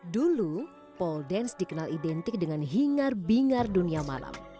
dulu pole dance dikenal identik dengan hingar bingar dunia malam